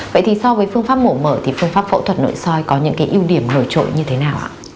vậy thì so với phương pháp mổ mở thì phương pháp phẫu thuật nội soi có những cái ưu điểm nổi trội như thế nào ạ